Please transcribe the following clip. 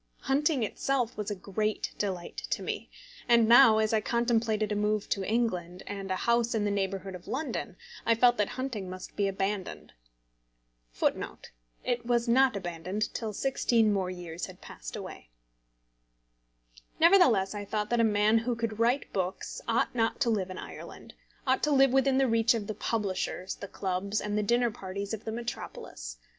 Hunting itself was a great delight to me; and now, as I contemplated a move to England, and a house in the neighbourhood of London, I felt that hunting must be abandoned. Nevertheless I thought that a man who could write books ought not to live in Ireland, ought to live within the reach of the publishers, the clubs, and the dinner parties of the metropolis.